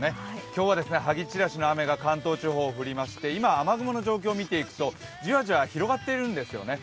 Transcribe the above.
今日は、はぎ散らしの雨が関東地方は降りまして今、雨雲の状況を見ていくと、じわじわ広がってるんですよね。